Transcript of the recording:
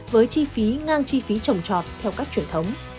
với chi phí ngang chi phí trồng trọt theo cách truyền thống